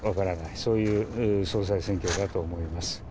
そういう総裁選挙だと思います。